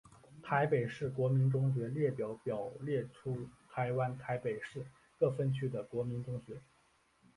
台北市国民中学列表表列出台湾台北市各分区的国民中学。